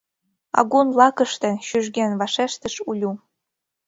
— Агун лакыште! — чужген вашештыш Улю.